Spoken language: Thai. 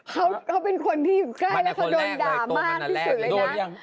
เขาเป็นคนที่อยู่ใกล้แล้วเขาโดนด่ามากที่สุดเลยนะ